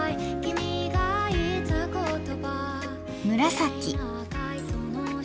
紫。